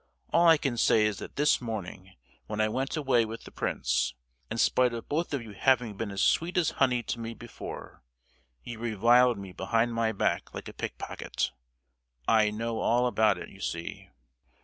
All I can say is that this morning, when I went away with the prince, in spite of both of you having been as sweet as honey to me before, you reviled me behind my back like a pickpocket! I know all about it, you see!"